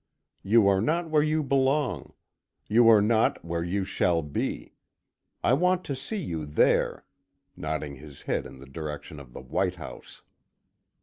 You are not where you belong. You are not where you shall be. I want to see you there," nodding his head in the direction of the White House.